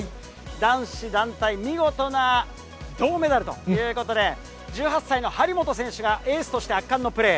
男子団体、見事な銅メダルということで、１８歳の張本選手がエースとして圧巻のプレー。